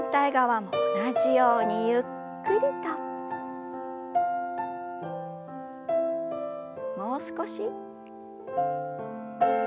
もう少し。